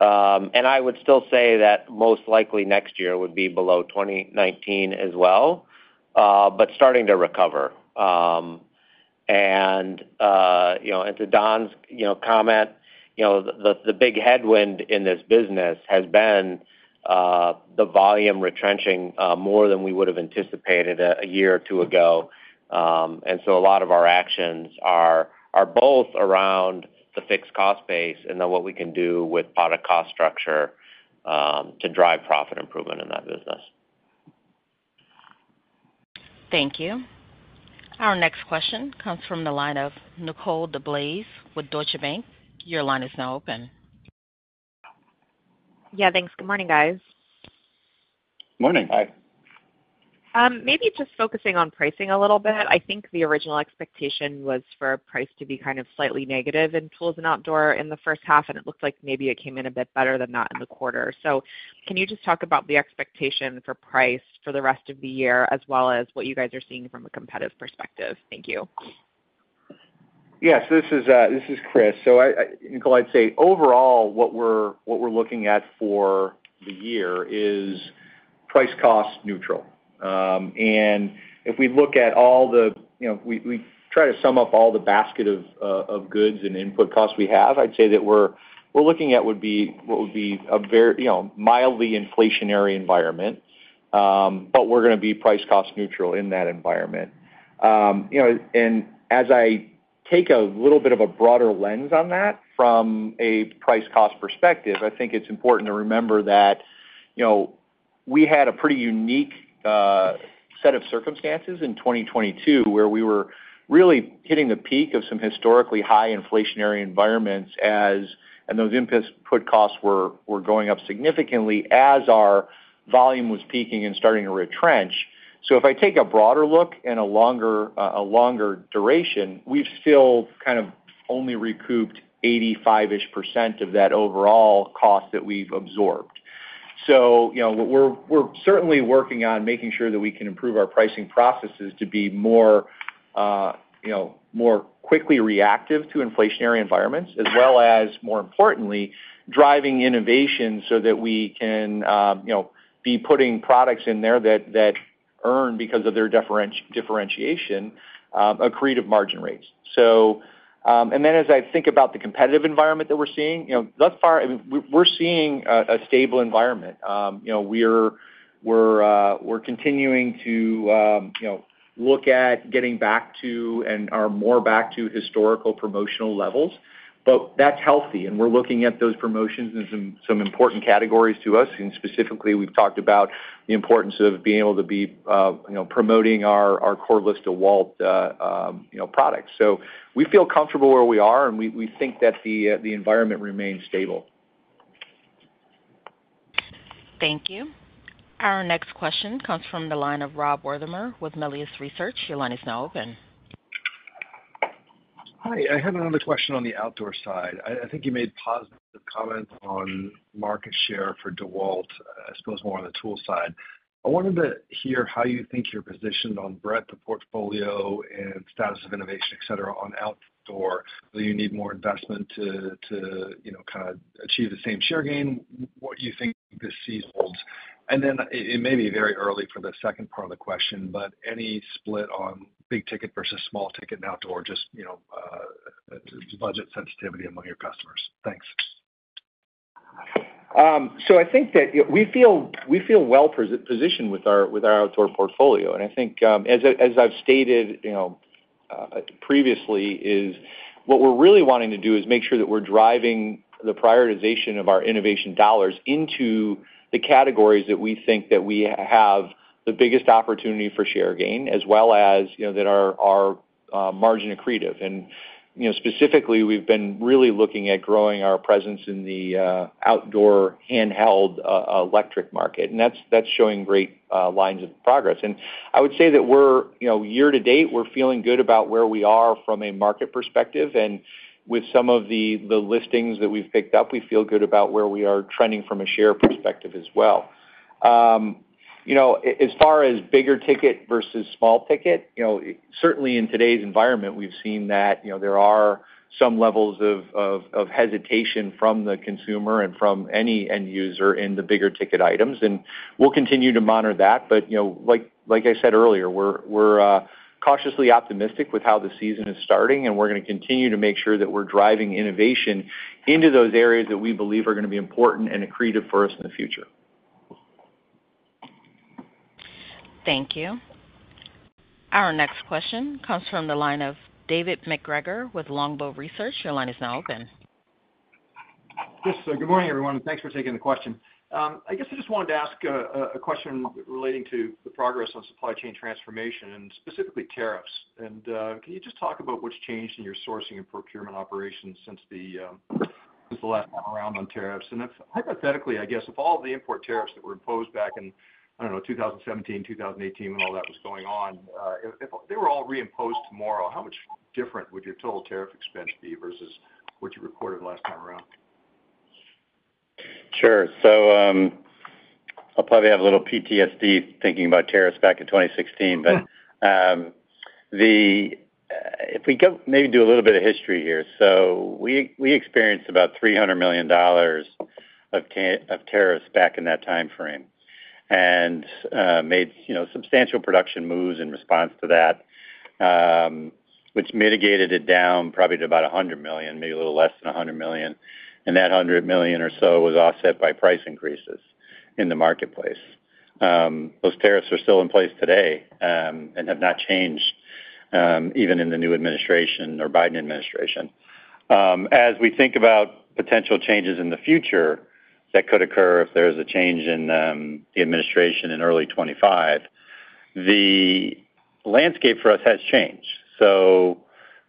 I would still say that most likely next year would be below 2019 as well, but starting to recover. To Don's comment, the big headwind in this business has been the volume retrenching more than we would have anticipated a year or two ago. So a lot of our actions are both around the fixed cost base and then what we can do with product cost structure to drive profit improvement in that business. Thank you. Our next question comes from the line of Nicole DeBlase with Deutsche Bank. Your line is now open. Yeah. Thanks. Good morning, guys. Morning. Hi. Maybe just focusing on pricing a little bit. I think the original expectation was for a price to be kind of slightly negative in tools and outdoor in the first half, and it looked like maybe it came in a bit better than not in the quarter. So can you just talk about the expectation for price for the rest of the year as well as what you guys are seeing from a competitive perspective? Thank you. Yeah. So this is Chris. So Nicole, I'd say overall, what we're looking at for the year is price-cost neutral. And if we look at all the, we try to sum up all the basket of goods and input costs we have. I'd say that we're looking at what would be a very mildly inflationary environment, but we're going to be price-cost neutral in that environment. And as I take a little bit of a broader lens on that from a price-cost perspective, I think it's important to remember that we had a pretty unique set of circumstances in 2022 where we were really hitting the peak of some historically high inflationary environments and those input costs were going up significantly as our volume was peaking and starting to retrench. So if I take a broader look in a longer duration, we've still kind of only recouped 85-ish% of that overall cost that we've absorbed. So we're certainly working on making sure that we can improve our pricing processes to be more quickly reactive to inflationary environments as well as, more importantly, driving innovation so that we can be putting products in there that earn because of their differentiation accretive margin rates. And then as I think about the competitive environment that we're seeing, thus far, I mean, we're seeing a stable environment. We're continuing to look at getting back to and are more back to historical promotional levels. But that's healthy. And we're looking at those promotions in some important categories to us. And specifically, we've talked about the importance of being able to be promoting our core list of DEWALT products. We feel comfortable where we are, and we think that the environment remains stable. Thank you. Our next question comes from the line of Rob Wertheimer with Melius Research. Your line is now open. Hi. I had another question on the outdoor side. I think you made positive comments on market share for DEWALT, I suppose more on the tool side. I wanted to hear how you think you're positioned on breadth of portfolio and status of innovation, etc., on outdoor. Whether you need more investment to kind of achieve the same share gain, what you think this season holds. And then it may be very early for the second part of the question, but any split on big-ticket versus small-ticket in outdoor, just budget sensitivity among your customers. Thanks. So I think that we feel well positioned with our outdoor portfolio. And I think, as I've stated previously, what we're really wanting to do is make sure that we're driving the prioritization of our innovation dollars into the categories that we think that we have the biggest opportunity for share gain as well as that are margin accretive. And specifically, we've been really looking at growing our presence in the outdoor handheld electric market. And that's showing great lines of progress. And I would say that year to date, we're feeling good about where we are from a market perspective. And with some of the listings that we've picked up, we feel good about where we are trending from a share perspective as well. As far as bigger-ticket versus small-ticket, certainly in today's environment, we've seen that there are some levels of hesitation from the consumer and from any end user in the bigger-ticket items. We'll continue to monitor that. Like I said earlier, we're cautiously optimistic with how the season is starting, and we're going to continue to make sure that we're driving innovation into those areas that we believe are going to be important and accretive for us in the future. Thank you. Our next question comes from the line of David MacGregor with Longbow Research. Your line is now open. Yes. Good morning, everyone, and thanks for taking the question. I guess I just wanted to ask a question relating to the progress on supply chain transformation and specifically tariffs. And can you just talk about what's changed in your sourcing and procurement operations since the last time around on tariffs? And hypothetically, I guess, if all of the import tariffs that were imposed back in, I don't know, 2017, 2018, when all that was going on, if they were all reimposed tomorrow, how much different would your total tariff expense be versus what you reported last time around? Sure. So I'll probably have a little PTSD thinking about tariffs back in 2016. But if we maybe do a little bit of history here. So we experienced about $300 million of tariffs back in that time frame and made substantial production moves in response to that, which mitigated it down probably to about $100 million, maybe a little less than $100 million. And that $100 million or so was offset by price increases in the marketplace. Those tariffs are still in place today and have not changed even in the new administration or Biden administration. As we think about potential changes in the future that could occur if there's a change in the administration in early 2025, the landscape for us has changed. So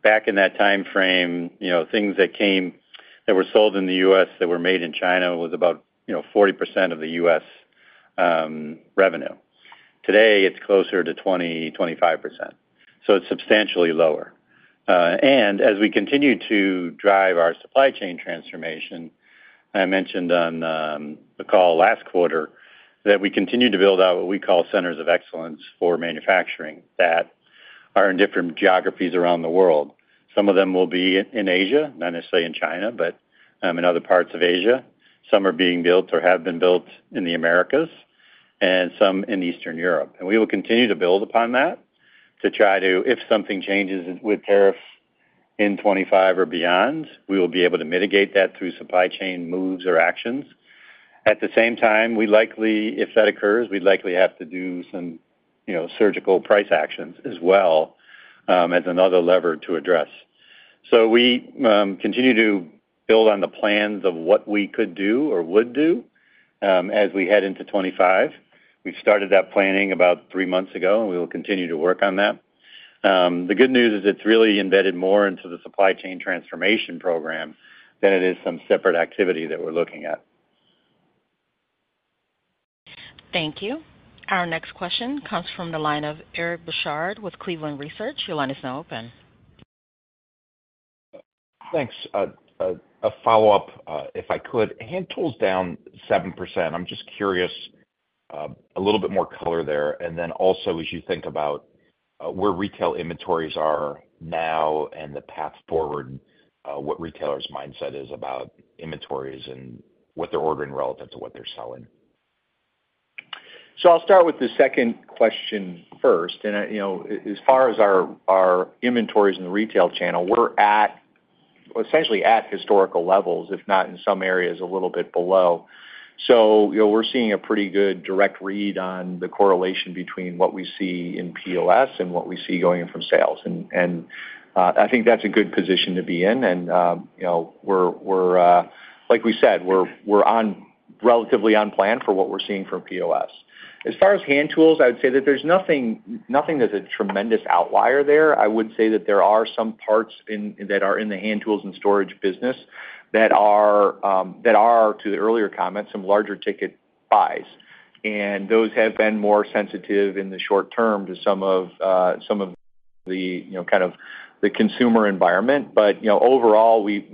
back in that time frame, things that were sold in the U.S. that were made in China was about 40% of the U.S. revenue. Today, it's closer to 20%-25%. So it's substantially lower. And as we continue to drive our supply chain transformation, I mentioned on the call last quarter that we continue to build out what we call centers of excellence for manufacturing that are in different geographies around the world. Some of them will be in Asia, not necessarily in China, but in other parts of Asia. Some are being built or have been built in the Americas and some in Eastern Europe. And we will continue to build upon that to try to if something changes with tariffs in 2025 or beyond, we will be able to mitigate that through supply chain moves or actions. At the same time, if that occurs, we'd likely have to do some surgical price actions as well as another lever to address. We continue to build on the plans of what we could do or would do as we head into 2025. We've started that planning about three months ago, and we will continue to work on that. The good news is it's really embedded more into the supply chain transformation program than it is some separate activity that we're looking at. Thank you. Our next question comes from the line of Eric Bosshard with Cleveland Research. Your line is now open. Thanks. A follow-up, if I could. Hand tools down 7%. I'm just curious, a little bit more color there. And then also, as you think about where retail inventories are now and the path forward, what retailers' mindset is about inventories and what they're ordering relative to what they're selling. I'll start with the second question first. As far as our inventories in the retail channel, we're essentially at historical levels, if not in some areas a little bit below. We're seeing a pretty good direct read on the correlation between what we see in POS and what we see going in from sales. I think that's a good position to be in. Like we said, we're relatively on plan for what we're seeing from POS. As far as hand tools, I would say that there's nothing that's a tremendous outlier there. I would say that there are some parts that are in the hand tools and storage business that are, to the earlier comments, some larger-ticket buys. Those have been more sensitive in the short term to some of the kind of the consumer environment. But overall, we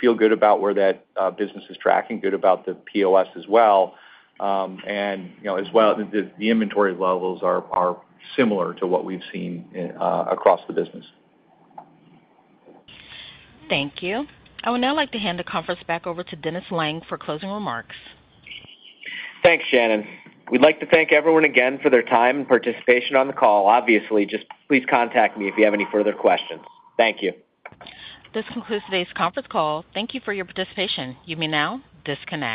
feel good about where that business is tracking, good about the POS as well. And as well, the inventory levels are similar to what we've seen across the business. Thank you. I would now like to hand the conference back over to Dennis Lange for closing remarks. Thanks, Shannon. We'd like to thank everyone again for their time and participation on the call. Obviously, just please contact me if you have any further questions. Thank you. This concludes today's conference call. Thank you for your participation. You may now disconnect.